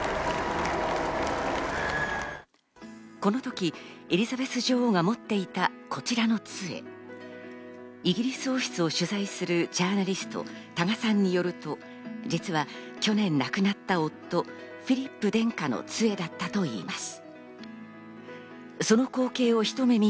このときエリザベス女王が持っていたこちらの杖、イギリス王室を取材するジャーナリスト・多賀さんによると、実は去年亡くなった夫・フィリップ殿下の杖だったといいます。